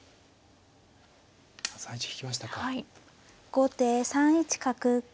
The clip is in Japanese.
後手３一角。